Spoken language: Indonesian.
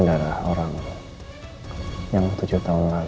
dan itu mengkingatkan saya lebih amat